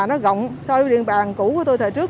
nó gọng so với địa bàn cũ của tôi thời trước